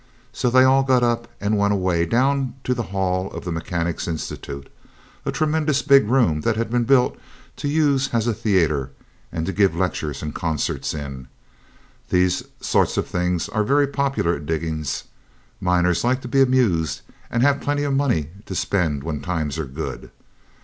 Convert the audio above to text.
So they all got up and went away down to the hall of the Mechanics' Institute a tremendous big room that had been built to use as a theatre, and to give lectures and concerts in. These sort of things are very popular at diggings. Miners like to be amused, and have plenty of money to spend when times are good.